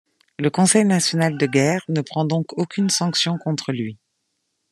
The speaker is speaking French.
Le conseil national de guerre ne prend donc aucune sanction contre lui.